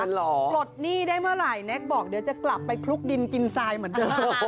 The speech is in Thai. ปลดหนี้ได้เมื่อไหร่แน็กบอกเดี๋ยวจะกลับไปคลุกดินกินทรายเหมือนเดิม